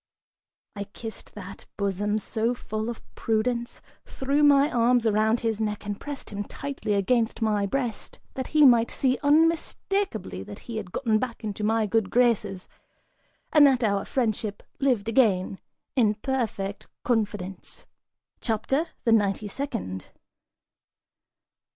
I kissed that, bosom, so full of prudence, threw my arms around his neck and pressed him tightly against my breast, that he might see unmistakably that he had gotten back into my good graces, and that our friendship lived again in perfect confidence. CHAPTER THE NINETY SECOND.